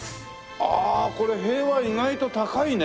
ああこれ塀は意外と高いね。